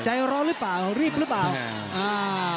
ใจร้อนหรือเปล่ารีบหรือเปล่าอ่า